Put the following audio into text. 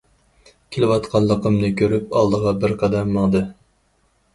كېلىۋاتقانلىقىمنى كۆرۈپ ئالدىغا بىر قەدەم ماڭدى.